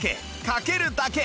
かけるだけ！